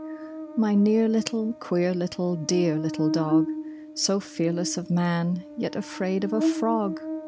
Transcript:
My near little, queer little, dear little dog, So fearless of man, yet afraid of a frog!